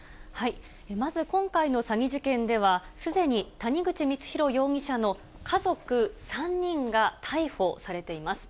まず、今回の詐欺事件では、すでに谷口光弘容疑者の家族３人が逮捕されています。